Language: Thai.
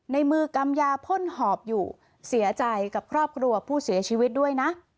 ในมือกำยาพ่นหอบอยู่เสียใจกับครอบครัวผู้เสียชีวิตด้วยนะ